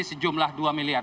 sejumlah dua miliar